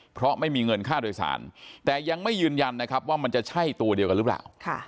เพราะไม่มีเงินค่าโดยสารแต่ยังไม่ยืนยันนะครับว่ามันจะใช่ตัวเดียวกันหรือเปล่า